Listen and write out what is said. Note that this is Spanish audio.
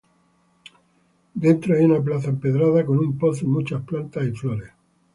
Dentro hay una plaza empedrada con un pozo y muchas plantas y flores.